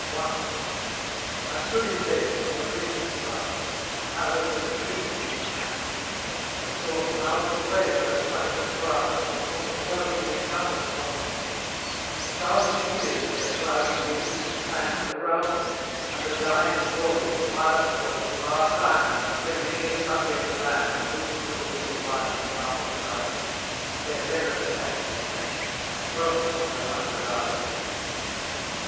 I stood in Venice, on the Bridge of Sighs; A palace and a prison on each hand: I saw from out the wave her structures rise As from the stroke of the enchanter's wand: A thousand years their cloudy wings expand Around me, and a dying glory smiles O'er the far times when many a subject land Looked to the winged Lion's marble piles, Where Venice sate in state, throned on her hundred isles!